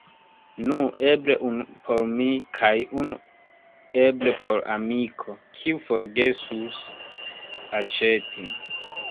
Nu, eble unu por mi, kaj unu eble por amiko kiu forgesus aĉeti.